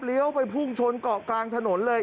ไปพุ่งชนเกาะกลางถนนเลย